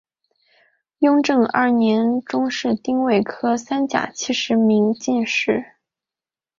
雍正二年中式丁未科三甲七十名进士。